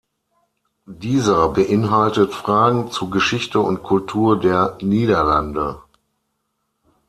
Dieser beinhaltet Fragen zu Geschichte und Kultur der Niederlande.